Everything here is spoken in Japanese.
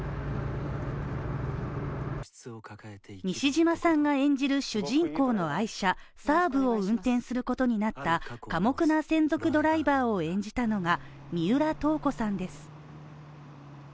西島さんが演じる主人公の愛車サーブを運転することになった寡黙な専属ドライバーを演じたのが三浦透子さんです。